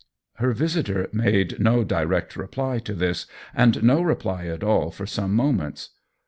Her visitor made no direct reply to this, and no reply at all for some moments.